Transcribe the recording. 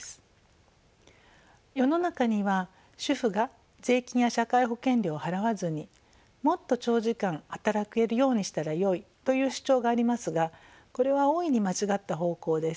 世の中には主婦が税金や社会保険料を払わずにもっと長時間働けるようにしたらよいという主張がありますがこれは大いに間違った方向です。